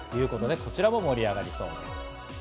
こちらも盛り上がりそうです。